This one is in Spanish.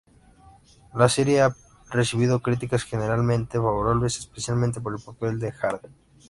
La serie ha recibido críticas generalmente favorables, especialmente por el papel de Hardy.